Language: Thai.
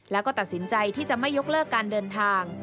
แล้วก็ตัดสินใจที่จะไม่ยกเลิกการเดินทาง